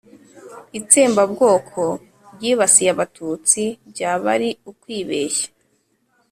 itsembabwoko ryibasiye abatutsi. byaba ari ukwibeshya